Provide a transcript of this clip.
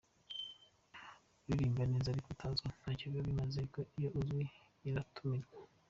Uririmba neza ariko utazwi ntacyo biba bimaze ariko iyo uzwi uratumirwa.